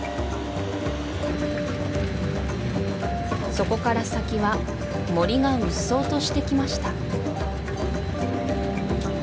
そこから先は森がうっそうとしてきました